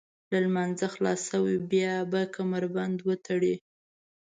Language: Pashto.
له لمانځه خلاص شوئ بیا به کمربند وتړئ.